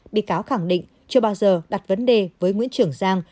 bị cáo khẳng định chưa bao giờ đặt vấn đề với nguyễn trường giang